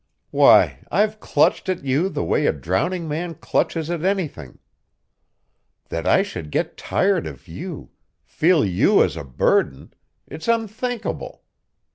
Why, I've clutched at you the way a drowning man clutches at anything. That I should get tired of you, feel you as a burden it's unthinkable.